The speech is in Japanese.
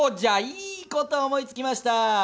いいこと思いつきました。